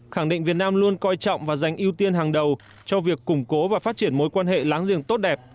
khẳng định việt nam luôn coi trọng và dành ưu tiên hàng đầu cho việc củng cố và phát triển mối quan hệ láng giềng tốt đẹp